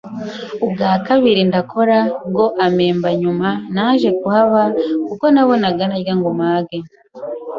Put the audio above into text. Ubwa kabiri ndakora, bwo ampemba Nyuma naje kuhaba kuko nabonaga ntarya ngo mpage.